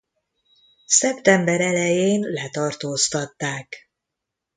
Szeptember elején letartóztatták.